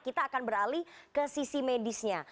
kita akan beralih ke sisi medisnya